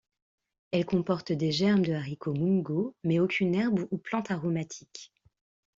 Elle comporte des germes de haricot mungo, mais aucune herbe ou plante aromatique.